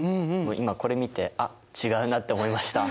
今これ見てあっ違うなって思いました。